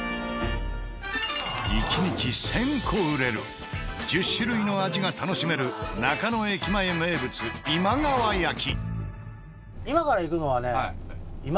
１日１０００個売れる１０種類の味が楽しめる中野駅前名物今川焼き。